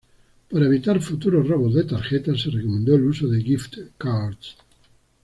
Para evitar futuros robos de tarjetas se recomendó el uso de gift cards.